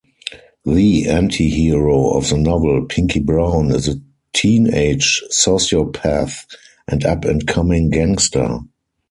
The antihero of the novel, Pinkie Brown, is a teenage sociopath and up-and-coming gangster.